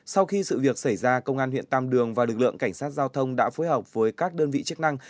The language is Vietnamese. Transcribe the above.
sau khi sự việc xảy ra công an huyện tam đường và lực lượng cảnh sát giao thông đã phối hợp với các đơn vị chức năng